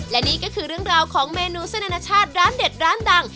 และนี่ก็คือเรื่องราวของเมนูเส้นอนาชาติร้านเด็ดร้านดัง